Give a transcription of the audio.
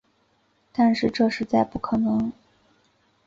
但是这实在不可能